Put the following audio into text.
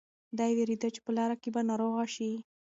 دی وېرېده چې په لاره کې به ناروغه شي.